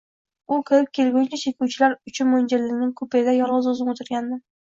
U kirib kelguncha, chekuvchilar uchun moʻljallangan kupeda yolgʻiz oʻzim oʻtirgandim.